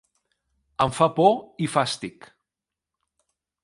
Em fa por i fàstic.